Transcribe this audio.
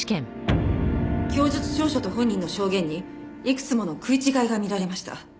供述調書と本人の証言にいくつもの食い違いが見られました。